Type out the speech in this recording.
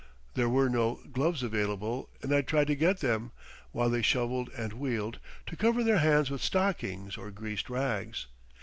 There were no gloves available; and I tried to get them, while they shovelled and wheeled, to cover their hands with stockings or greased rags.